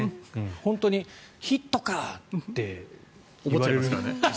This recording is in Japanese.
本当にヒットかって思っちゃいましたね。